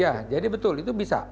ya jadi betul itu bisa